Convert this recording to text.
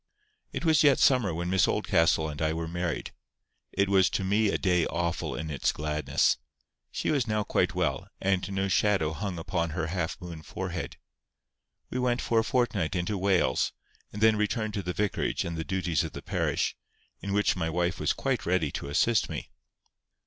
It was yet summer when Miss Oldcastle and I were married. It was to me a day awful in its gladness. She was now quite well, and no shadow hung upon her half moon forehead. We went for a fortnight into Wales, and then returned to the vicarage and the duties of the parish, in which my wife was quite ready to assist me.